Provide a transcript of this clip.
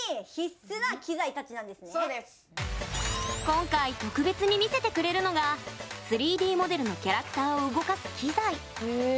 今回、特別に見せてくれるのが３Ｄモデルのキャラクターを動かす機材。